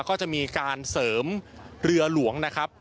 ก็จะมีการเสริมเรือหลวงนะครับ